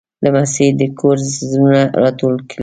لمسی د کور زړونه راټول کړي.